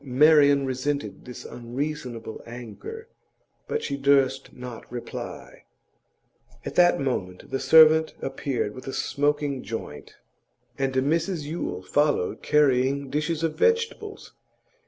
Marian resented this unreasonable anger, but she durst not reply. At that moment the servant appeared with a smoking joint, and Mrs Yule followed carrying dishes of vegetables.